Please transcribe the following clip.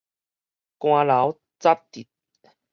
汗流汁滴